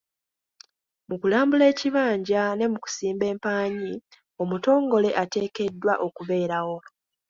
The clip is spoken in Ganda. Mu kulambula ekibanja ne mu kusimba empaanyi omutongole ateekeddwa okubeerawo.